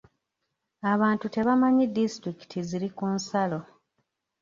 Abantu tebamanyi disitulikiti ziri ku nsalo.